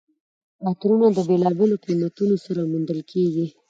عطرونه د بېلابېلو قیمتونو سره موندل کیږي.